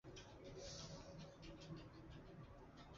贝蒂欧岛是椰子核和珍珠的主要出口港。